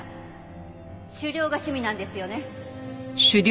狩猟が趣味なんですよね？